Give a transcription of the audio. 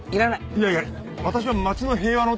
いやいや私は町の平和のためにあの。